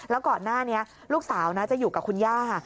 แล้วก่อนหน้านี้ลูกสาวนะจะอยู่กับคุณย่า